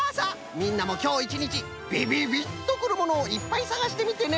みんなもきょういちにちビビビッとくるものをいっぱいさがしてみてね！